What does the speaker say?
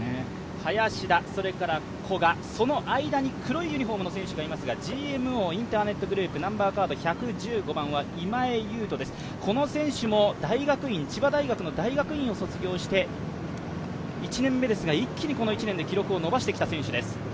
林田、古賀、その間に黒いユニフォームの選手がいますがＧＭＯインターネットグループ１１５番は今江勇人です、この選手も千葉大学の大学院を卒業して１年目ですが、一気にこの１年で記録を伸ばしてきた選手です。